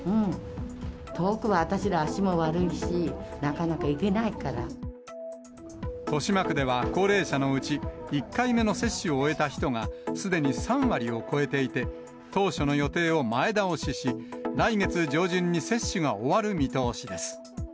遠くは、私ら足も悪いし、豊島区では、高齢者のうち１回目の接種を終えた人がすでに３割を超えていて、当初の予定を前倒しし、来月上旬に接種が終わる見通しです。